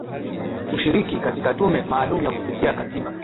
ushiriki katika tume maalum ya kupitia katiba